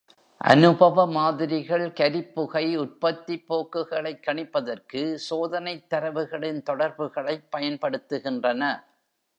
அனுபவ மாதிரிகள், கரிப்புகை உற்பத்திப் போக்குகளைக் கணிப்பதற்கு, சோதனைத் தரவுகளின் தொடர்புகளைப் பயன்படுத்துகின்றன.